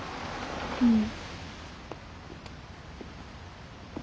うん。